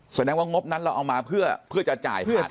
เพราะงบนั้นเราเอามาเพื่อจะจ่ายขาดให้เขาเลย